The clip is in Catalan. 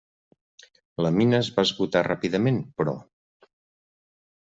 La mina es va esgotar ràpidament, però.